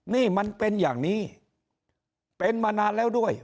นี่มันเป็นอย่างนี้เป็นมานานแล้วด้วย